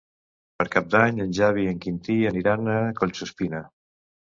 Per Cap d'Any en Xavi i en Quintí aniran a Collsuspina.